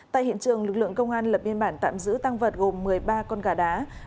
tại hiện trường lực lượng công an lập biên bản tạm giữ tăng vật gồm một mươi ba con gà đá